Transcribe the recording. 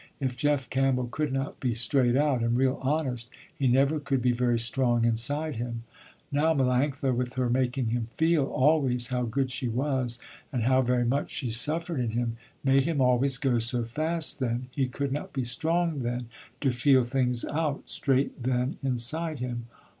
If Jeff Campbell could not be straight out, and real honest, he never could be very strong inside him. Now Melanctha, with her making him feel, always, how good she was and how very much she suffered in him, made him always go so fast then, he could not be strong then, to feel things out straight then inside him.